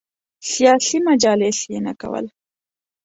سیاسي مجالس یې نه کول.